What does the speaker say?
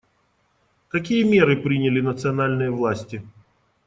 Какие меры приняли национальные власти?